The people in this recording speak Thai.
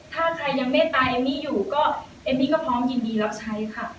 ถ้าใครยังไม่ตายเอ็มมี่อยู่ก็พร้อมยินดีรับใช้ค่ะ